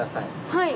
はい。